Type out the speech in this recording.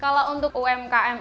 kalau untuk umkm